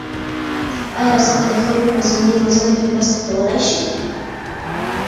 آیا رسنۍ د خلکو په ذهني روزنه کې مرسته کولای شي؟